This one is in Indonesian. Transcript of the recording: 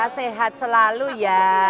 sehat selalu ya